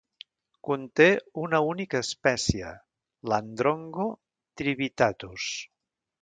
Conté una única espècie, l'Androngo trivittatus.